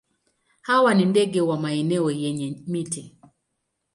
Hawa ni ndege wa maeneo yenye miti.